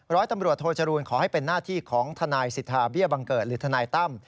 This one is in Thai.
ร้อยตำรวจโทจรูลขอให้เป็นหน้าที่ของทนายสิทธาเบี้ยบังเกิดหรือทนายตั้ม